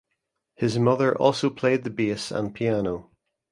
His mother also played the bass and piano.